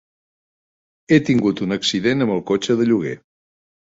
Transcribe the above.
He tingut un accident amb el cotxe de lloguer.